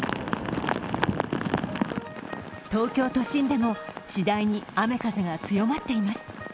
東京都心でも次第に雨・風が強まっています。